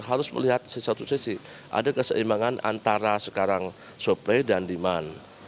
harus melihat di satu sisi ada keseimbangan antara sekarang supply dan demand